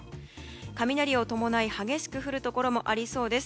雷を伴い激しく降るところもありそうです。